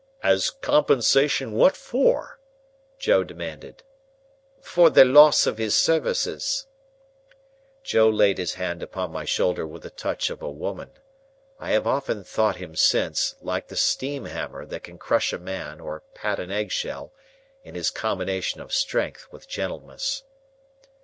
"As compensation what for?" Joe demanded. "For the loss of his services." Joe laid his hand upon my shoulder with the touch of a woman. I have often thought him since, like the steam hammer that can crush a man or pat an egg shell, in his combination of strength with gentleness.